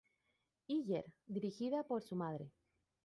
Iyer" dirigida por su madre.